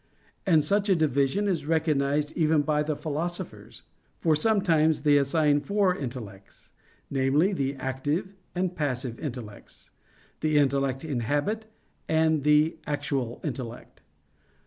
And such a division is recognized even by the philosophers. For sometimes they assign four intellects namely, the "active" and "passive" intellects, the intellect "in habit," and the "actual" intellect.